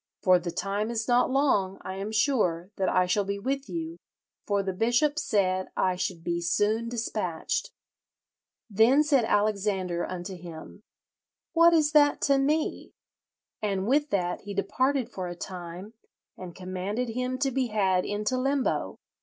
For the time is not long, I am sure, that I shall be with you, for the bishop said I should be soon despatched.' Then said Alexander unto him, 'What is that to me?' and with that he departed for a time, and commanded him to be had into limbo.